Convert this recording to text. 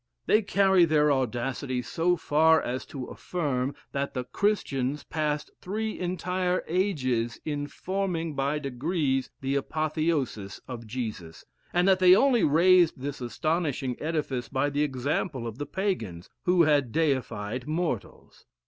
They carry their audacity so far as to affirm, that the Christians passed three entire ages in forming by degrees the apotheosis of Jesus; and that they only raised this astonishing edifice by the example of the Pagans, who had deified mortals.